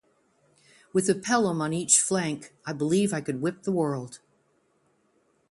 With a Pelham on each flank I believe I could whip the world.